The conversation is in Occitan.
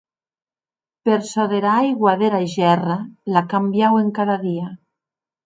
Per çò dera aigua dera gèrra, l'ac cambiauen cada dia.